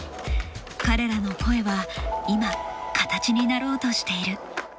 彼らの声は今、形になろうとしている。